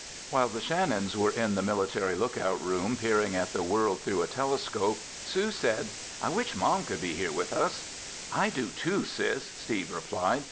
While the Shannons were in the Military Lookout Room peering at the world through a telescope, Sue said, "I wish Mom could be here with us." "I do, too, Sis," Steve replied.